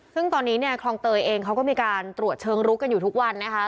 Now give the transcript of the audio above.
ซึ่งตอนนี้เนี่ยคลองเตยเองเขาก็มีการตรวจเชิงลุกกันอยู่ทุกวันนะคะ